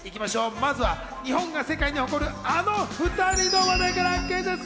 まずは日本が世界に誇るあの２人の話題からクイズッス！